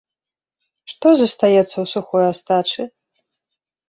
Што застаецца ў сухой астачы?